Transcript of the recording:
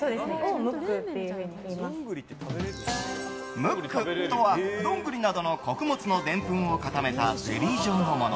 ムックとはドングリなどの穀物のでんぷんを固めたゼリー状のもの。